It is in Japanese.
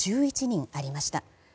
１１人ありました。